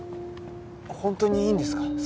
本当にいいんですか？